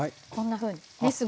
こんなふうにね。